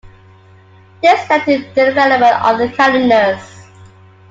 This led to the development of calendars.